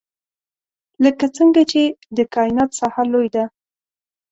لکه څنګه چې د کاینات ساحه لوی ده.